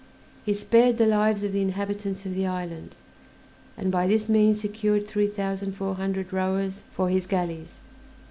He spared the lives of the inhabitants of the island, and by this means secured three thousand four hundred rowers for his galleys.